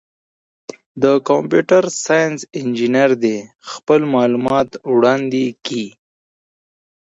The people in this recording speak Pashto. د کمپیوټر ساینس انجینر دي خپل معلومات وړاندي کي.